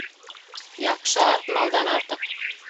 Яҡшы ат малдан артыҡ.